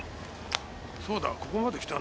そうだここまで来たんだ。